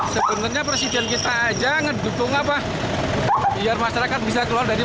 sebenarnya presiden kita aja ngedukung apa biar masyarakat bisa keluar dari